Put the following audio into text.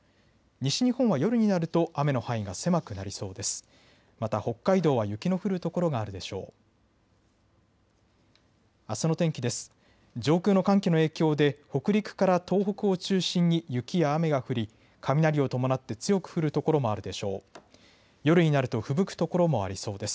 西日本は夜になると雨の範囲が狭くなりそうです。